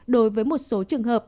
đối với một số trường hợp